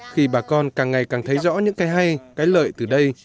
khi bà con càng ngày càng thấy rõ những cái hay cái lợi từ đây